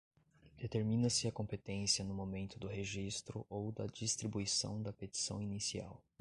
Determina-se a competência no momento do registro ou da distribuição da petição inicial